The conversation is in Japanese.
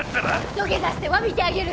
土下座してわびてあげる！